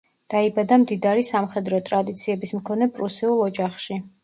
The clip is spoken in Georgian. დაიბადა მდიდარი სამხედრო ტრადიციების მქონე პრუსიულ ოჯახში.